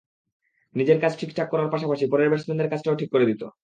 নিজের কাজ ঠিকঠাক করার পাশাপাশি পরের ব্যাটসম্যানের কাজটাও অর্ধেক করে দিত।